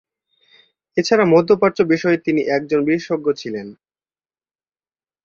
এছাড়া মধ্যপ্রাচ্য বিষয়ে তিনি একজন বিশেষজ্ঞ ছিলেন।